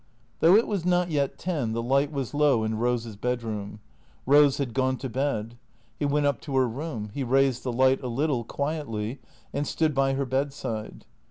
Though it was not yet ten the light was low in Eose's bedroom. Eose had gone to bed. He went up to her room. He raised the light a little, quietly, and stood by her bedside.